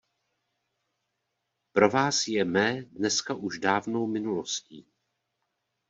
Pro vás je mé dneska už dávnou minulostí.